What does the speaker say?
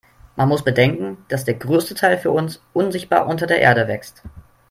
Man muss bedenken, dass der größte Teil für uns unsichtbar unter der Erde wächst.